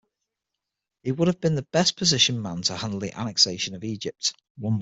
He would have been the best positioned man to handle the annexation of Egypt.